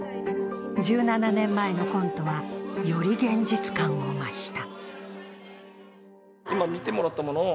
１７年前のコントはより現実感を増した。